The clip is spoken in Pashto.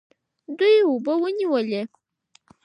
دوی اوبه ونیولې.